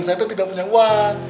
saya itu tidak punya uang